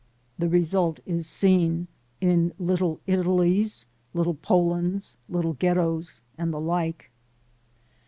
The result is seen in "Little Italies," "Little Polands," "Little Ghettos," and the like.